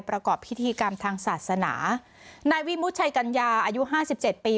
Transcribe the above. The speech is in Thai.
ประกอบพิธีกรรมทางศาสนานายวิมุชัยกัญญาอายุห้าสิบเจ็ดปี